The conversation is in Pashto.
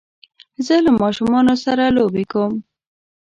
زه له ماشومانو سره لوبی کوم